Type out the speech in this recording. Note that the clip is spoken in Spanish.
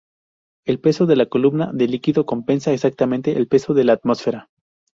El peso de la columna de líquido compensa exactamente el peso de la atmósfera.